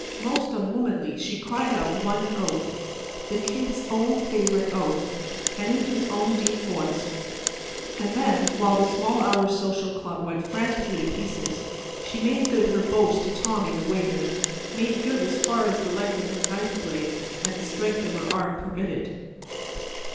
Most unwomanly, she cried out one oath—the Kid's own favorite oath—and in his own deep voice; and then while the Small Hours Social Club went frantically to pieces, she made good her boast to Tommy, the waiter—made good as far as the length of her knife blade and the strength of her arm permitted.